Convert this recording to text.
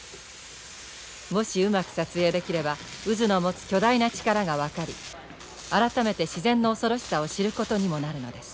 もしうまく撮影できれば渦の持つ巨大な力が分かり改めて自然の恐ろしさを知ることにもなるのです。